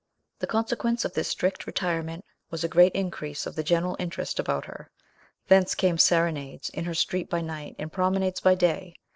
The consequence of this strict retirement was a great increase of the general interest about her; thence came serenades in her street by night, and promenades by day.